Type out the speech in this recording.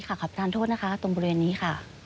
ขอบทานโทษนะคะตรงบริเวณนี้ค่ะ